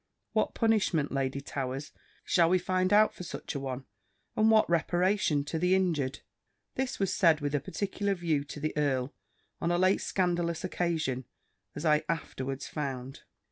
What punishment, Lady Towers, shall we find out for such an one; and what reparation to the injured?" This was said with a particular view to the earl, on a late scandalous occasion; as I afterwards found.